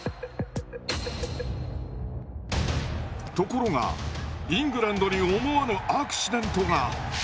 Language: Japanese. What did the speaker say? ところがイングランドに思わぬアクシデントが。